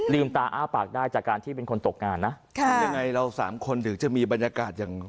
ตาอ้าปากได้จากการที่เป็นคนตกงานนะค่ะยังไงเราสามคนถึงจะมีบรรยากาศอย่าง